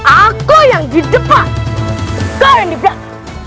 aku yang di depan suka yang di belakang